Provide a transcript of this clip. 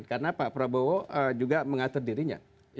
karena pak prabowo juga mengatur dirinya